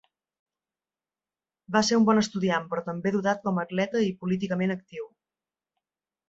Va ser un bon estudiant però també dotat com a atleta i políticament actiu.